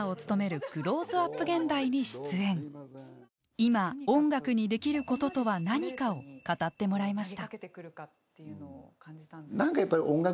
いま音楽にできることとは何かを語ってもらいました。